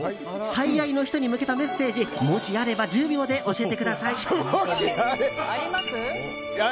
最愛の人に向けたメッセージもしあれば１０秒で教えてください。あります？